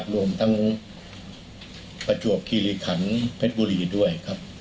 รวมทั้งประจวบคิริขันเพชรบุรีด้วยครับ